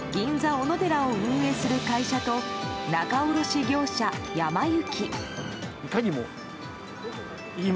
おのでらを運営する会社と仲卸業者、やま幸。